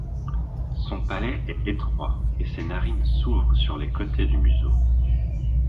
Son palais est étroit et ses narines s'ouvrent sur les côtés du museau.